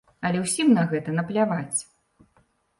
Але ўсім на гэта напляваць.